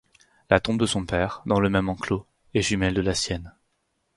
La tombe de son père, dans le même enclos, est jumelle de la sienne.